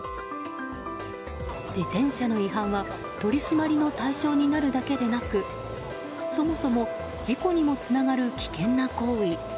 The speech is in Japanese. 自転車の違反は、取り締まりの対象になるだけでなくそもそも事故にもつながる危険な行為。